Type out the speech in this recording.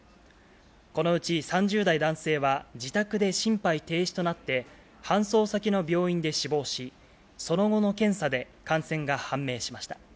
このうち３０代男性は自宅で心肺停止となって、搬送先の病院で死亡し、その後の検査で感染が判明しました。